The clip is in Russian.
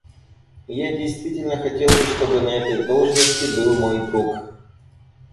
Я действительно хотел бы, чтобы на этой должности был мой друг.